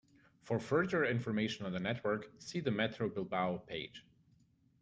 For further information on the network, see the Metro Bilbao page.